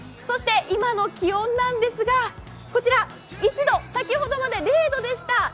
そして今の気温なんですが１度、先ほどまで０度でした。